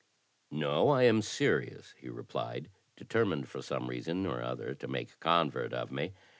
*'No, I am serious," he replied, determined for some reason or other to make a convert of me.